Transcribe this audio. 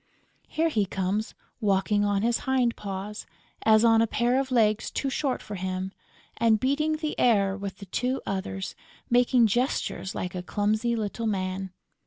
Here he comes walking on his hind paws, as on a pair of legs too short for him, and beating the air with the two others, making gestures like a clumsy little man.